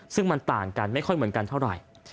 ซึ่งมันต่างกันไม่ค่อยเหมือนกันเท่าไหร่